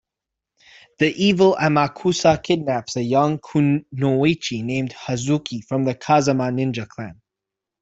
The evil Amakusa kidnaps a young "kunoichi" named Hazuki from the "Kazama" ninja clan.